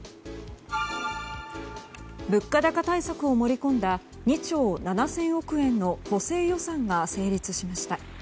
物価高対策を盛り込んだ２兆７０００億円の補正予算が成立しました。